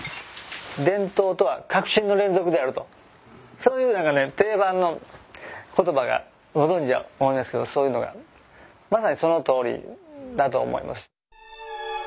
そういう何かね定番の言葉がご存じや思いますけどそういうのがまさにそのとおりだと思います。